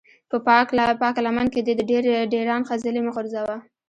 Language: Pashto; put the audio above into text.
په پاکه لمن کې دې د ډېران خځلې مه غورځوه.